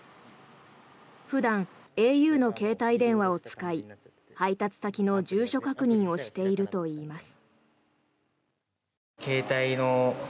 普段、ａｕの携帯電話を使い配達先の住所確認をしているといいます。